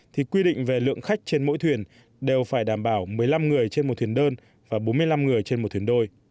thì quy định về lượng khách đi đến thuyền du lịch đều được đảm bảo an toàn